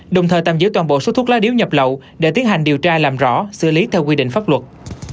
đồng thời tạm giữ toàn bộ số thuốc lá điếu nhập lậu để tiến hành điều tra làm rõ xử lý theo quy định pháp luật